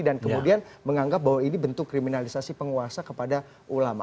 dan kemudian menganggap bahwa ini bentuk kriminalisasi penguasa kepada ulama